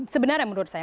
sebenarnya menurut saya